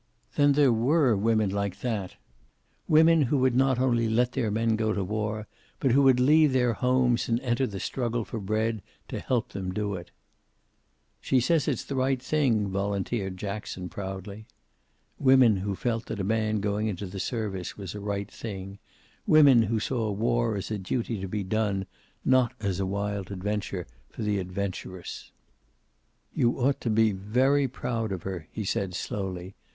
Then there were women like that! Women who would not only let their men go to war, but who would leave their homes and enter the struggle for bread, to help them do it. "She says it's the right thing," volunteered Jackson, proudly. Women who felt that a man going into the service was a right thing. Women who saw war as a duty to be done, not a wild adventure for the adventurous. "You ought to be very proud of her," he said slowly.